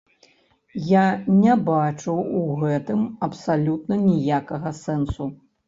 Я не бачу ў гэтым абсалютна ніякага сэнсу.